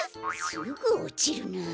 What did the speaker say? すぐおちるなあ。